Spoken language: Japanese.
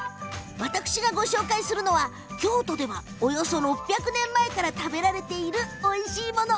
私がご紹介するのは京都では、およそ６００年前から食べられている、おいしいもの。